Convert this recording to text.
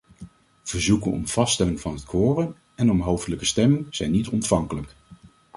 Verzoeken om vaststelling van het quorum en om hoofdelijke stemming zijn niet ontvankelijk.